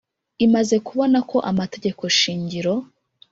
Imaze kubona ko amategegeko shingiro